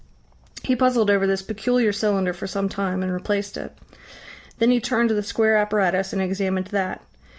He puzzled over this peculiar cylinder for some time and replaced it. Then he turned to the square apparatus and examined that.